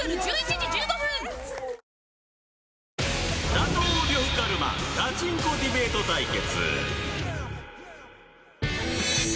打倒呂布カルマガチンコディベート対決